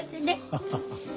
ハハハハ。